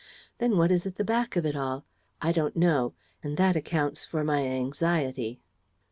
Then what is at the back of it all? I don't know; and that accounts for my anxiety."